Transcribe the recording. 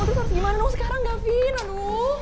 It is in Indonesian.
tuh harus gimana sekarang gavine